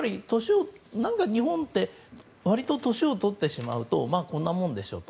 日本って割と年を取ってしまうとこんなもんでしょうと。